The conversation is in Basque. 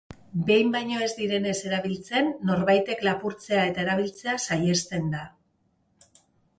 Behin baino ez direnez erabiltzen, norbaitek lapurtzea eta erabiltzea saihesten da.